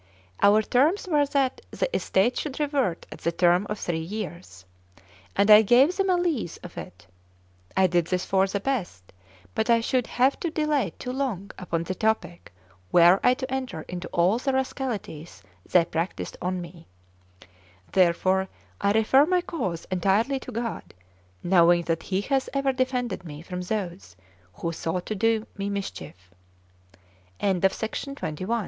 Our terms were that the estate should revert at the term of three years, and I gave them a lease of it. I did this for the best; but I should have to dilate too long upon the topic were I to enter into all the rascalities they practised on me. Therefore, I refer my cause entirely to God, knowing that He hath ever defended me from those who sought to do me mischief. Note 1. 'Scudi di moneta,' not 'd'oro.' Note 2.